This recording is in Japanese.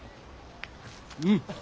うん！